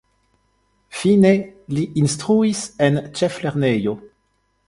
Fine li instruis en ĉeflernejo.